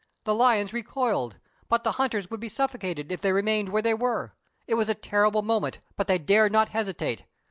The lions recoiled, but the hunters would be suffocated if they remained where they were. It was a terrible moment, but they dared not hesitate.